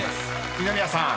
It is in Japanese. ［二宮さん